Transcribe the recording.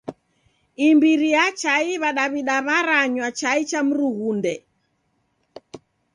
Imbiri ya chai, W'adaw'ida w'aranywa chai cha mrughundia.